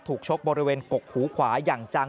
ชกบริเวณกกหูขวาอย่างจัง